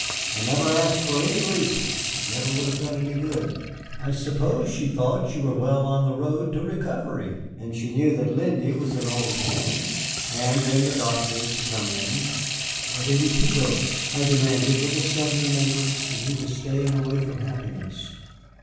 I never asked for any reason it never would have done any good. I suppose she thought that you were well on the road to recovery, and she knew that Lindy was an old hand. And then the doctor is to come in." "Why didn't you go?" I demanded, with a sudden remembrance that he was staying away from happiness.